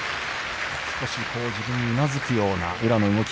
少し自分にうなずくような宇良の動き。